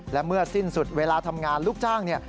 และเมื่อสิ้นสุดเวลาทำงานลูกจ้างเนี่ย